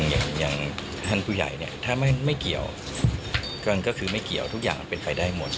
อย่างท่านผู้ใหญ่เนี่ยถ้าไม่เกี่ยวก็คือไม่เกี่ยวทุกอย่างมันเป็นไปได้หมด